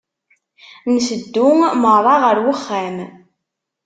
Nteddu merra ɣer uxxam.